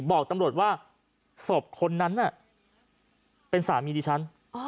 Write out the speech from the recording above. บอกตำรวจว่าศพคนนั้นน่ะเป็นสามีดิฉัน